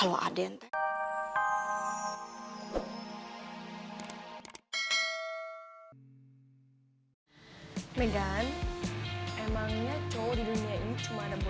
terus terserah taruh ke tempat terang naos nah berapa nah perhatiannya terserah taruh ke tempat